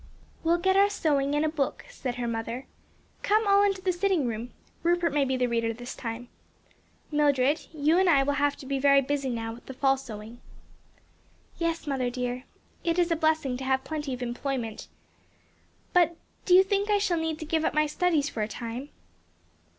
"We'll get our sewing and a book," said her mother, "Come all into the sitting room. Rupert may be the reader this time. "Mildred, you and I will have to be very busy now with the fall sewing." "Yes mother dear; it's a blessing to have plenty of employment. But do you think I shall need to give up my studies for a time?"